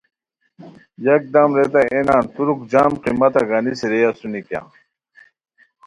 یکدم ریتائے اے نان ترک جم قیمتہ گانیسی رے اسونی کیہ